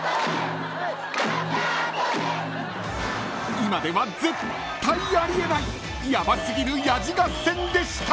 ［今では絶対あり得ないヤバすぎるヤジ合戦でした］